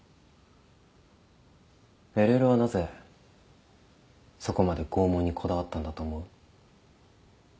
ＬＬはなぜそこまで拷問にこだわったんだと思う？